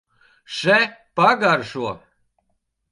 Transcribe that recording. Še, pagaršo!